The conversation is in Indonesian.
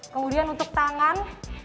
kemudian untuk tangan